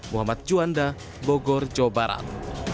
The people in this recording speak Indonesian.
muhammad juanda bogor jawa barat